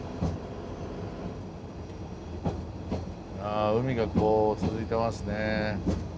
あ海がこう続いてますね。